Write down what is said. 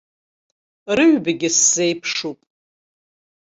Рҩбагьы сзеиԥшуп.